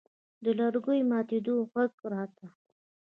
د لرګو د ماتېدو غږ راته.